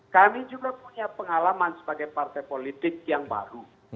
kami juga punya pengalaman sebagai partai politik yang baru